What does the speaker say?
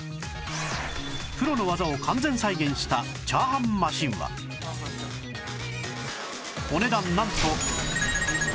プロの技を完全再現した炒飯マシンはお値段なんと